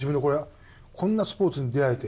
こんなスポーツに出合えて。